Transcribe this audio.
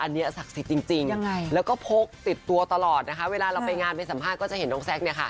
เมื่อเราไปงานไปสัมภาษณ์ก็จะเห็นตรงแซ็คเนี่ยค่ะ